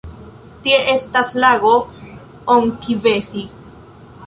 Tie estas lago Onkivesi.